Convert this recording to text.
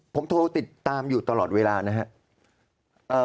ผมโทรติดตามอยู่ตลอดเวลานะครับ